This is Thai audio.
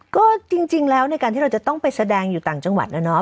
ก็จริงแล้วในการที่เราจะต้องไปแสดงอยู่ต่างจังหวัดนะเนาะ